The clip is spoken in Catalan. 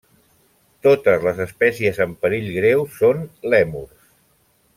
Totes les espècies en perill greu són lèmurs.